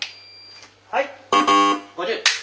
はい。